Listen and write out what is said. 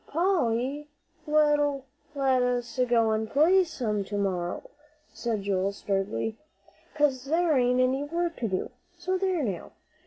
"Polly'll let us go an' play some to morrow," said Joel, sturdily, "'cause there ain't any work to do. So there now!